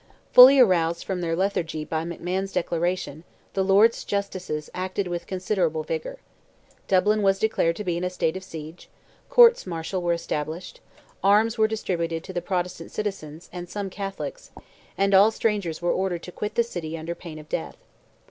Fully aroused from their lethargy by McMahon's declaration, the Lords Justices acted with considerable vigour. Dublin was declared to be in a state of siege; courts martial were established; arms were distributed to the Protestant citizens, and some Catholics; and all strangers were ordered to quit the city under pain of death.